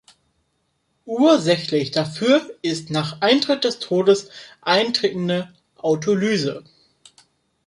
Ursächlich dafür ist die nach Eintritt des Todes eintretende Autolyse.